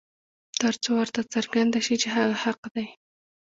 تر څو ورته څرګنده شي چې هغه حق دى.